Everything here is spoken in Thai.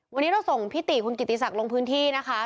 วันนี้เราส่งพี่ติคุณกิติศักดิ์ลงพื้นที่นะคะ